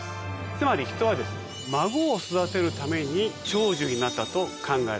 つまりヒトは孫を育てるために長寿になったと考えられる。